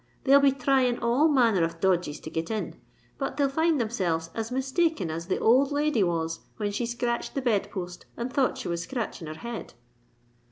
They'll be thrying all manner of dodges to get in: but they'll find themselves as mistaken as the old lady was when she scratched the bed post and thought she was scratching her head."